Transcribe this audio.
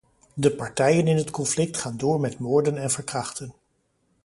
De partijen in het conflict gaan door met moorden en verkrachten.